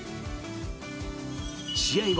試合後